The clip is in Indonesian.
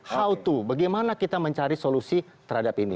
how to bagaimana kita mencari solusi terhadap ini